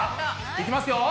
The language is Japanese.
いきますよ。